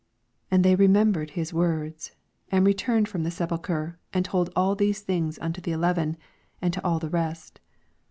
8 And they remembered his words, 9 Andreturucd from the sepulchre, and told all these things unto the eleven, and to all the rest.